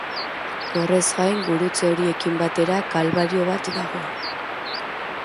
Horrez gain, gurutze horiekin batera kalbario bat dago.